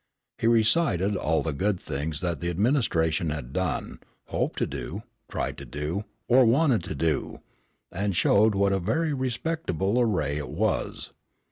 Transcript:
He recited all the good things that the administration had done, hoped to do, tried to do, or wanted to do, and showed what a very respectable array it was.